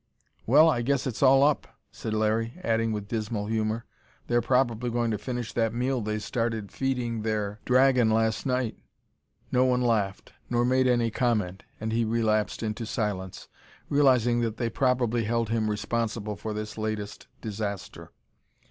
"Well, I guess it's all up!" said Larry, adding with dismal humor: "They're probably going to finish that meal they started feeding their dragon last night!" No one laughed, nor made any comment, and he relapsed into silence, realizing that they probably held him responsible for this latest disaster.